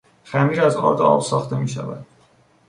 خمیر از آرد و آب ساخته میشود.